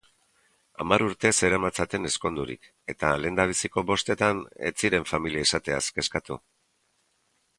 Hamar urte zeramatzaten ezkondurik eta lehendabiziko bostetan ez ziren familia izateaz kezkatu.